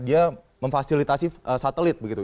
dia memfasilitasi satelit begitu